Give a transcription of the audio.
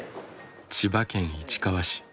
千葉県市川市。